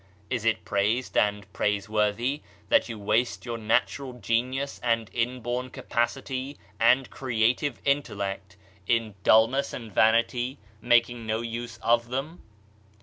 Is it praised and praiseworthy that you waste your natural genius and inborn capacity and creative intellect in dullness and vanity, making no use of them?